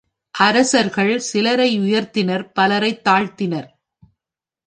அரசர்கள் சிலரை உயர்த்தினர் பலரைத் தாழ்த்தினர்.